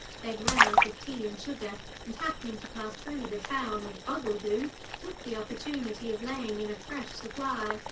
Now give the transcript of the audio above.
They had run out of tea and sugar, and happening to pass through the town of Bungledoo took the opportunity of laying in a fresh supply.